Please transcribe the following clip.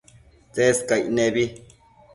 Tsescaic nebi